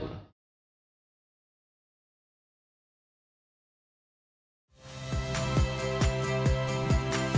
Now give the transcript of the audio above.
lalu sudah sempat berbicara